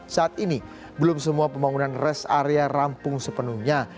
saat ini belum semua pembangunan rest area rampung sepenuhnya